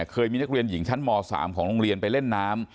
เคยมีนักเรียนหญิงชั้นม๓ของโรงเรียนไปเล่นน้ำ